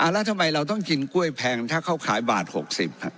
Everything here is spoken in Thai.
แล้วทำไมเราต้องกินกล้วยแพงถ้าเขาขายบาท๖๐